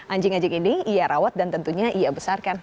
anjing anjing ini ia rawat dan tentunya ia besarkan